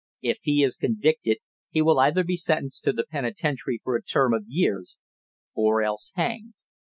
"If he is convicted, he will either be sentenced to the penitentiary for a term of years or else hanged."